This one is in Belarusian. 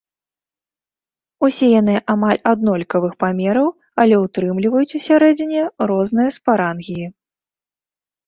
Усе яны амаль аднолькавых памераў, але ўтрымліваюць усярэдзіне розныя спарангіі.